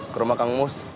ke rumah kang mus